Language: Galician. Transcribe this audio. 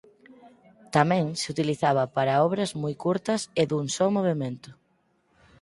Tamén se utilizaba para obras moi curtas e dun só movemento.